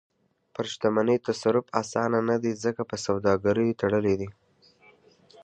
پر شتمنۍ تصرف اسانه نه دی، ځکه په سوداګریو تړلې ده.